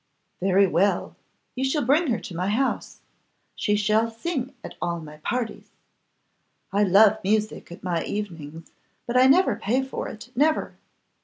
'Very well; you shall bring her to my house. She shall sing at all my parties; I love music at my evenings, but I never pay for it, never.